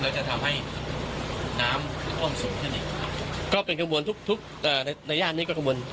แล้วจะทำให้น้ำท่วมสูงขึ้นอีกก็เป็นกังวลทุกทุกในในย่านนี้ก็กังวล